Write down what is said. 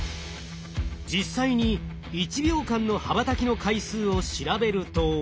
実際に１秒間の羽ばたきの回数を調べると。